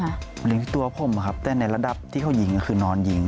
ในเล็งที่ตัวผมครับแต่ในระดับที่เขายิงคือนอนยิง